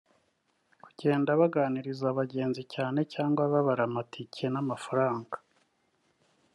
kugenda baganiriza abagenzi cyane cyangwa babara amatiki (n’amafaranga)